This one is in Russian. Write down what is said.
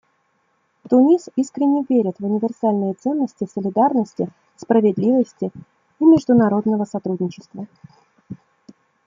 Тунис искренне верит в универсальные ценности солидарности, справедливости и международного сотрудничества.